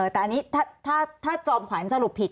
แต่อันนี้ถ้าจอมขวัญสรุปผิด